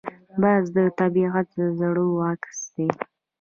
باز د طبیعت زړور عسکر دی